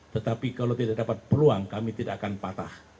tetapi kalau tidak dapat peluang kami tidak akan patah